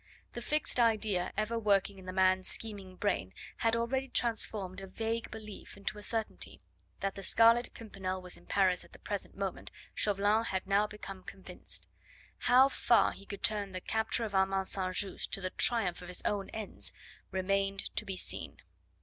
The fixed idea ever working in the man's scheming brain had already transformed a vague belief into a certainty. That the Scarlet Pimpernel was in Paris at the present moment Chauvelin had now become convinced. How far he could turn the capture of Armand St. Just to the triumph of his own ends remained to be seen.